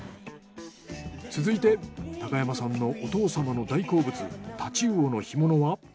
続いて高山さんのお父様の大好物太刀魚の干物は？